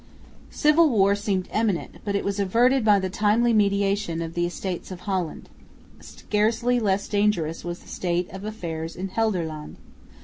Civil war seemed imminent, but it was averted by the timely mediation of the Estates of Holland. Scarcely less dangerous was the state of affairs in Gelderland.